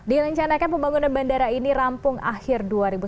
direncanakan pembangunan bandara ini rampung akhir dua ribu sembilan belas